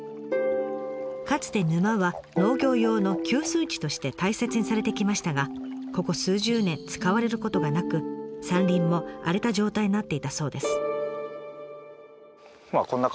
かつて沼は農業用の給水地として大切にされてきましたがここ数十年使われることなく山林も荒れた状態になっていたそうです。